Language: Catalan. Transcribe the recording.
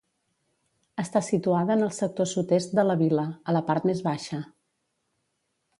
Està situada en el sector sud-est de la vila, a la part més baixa.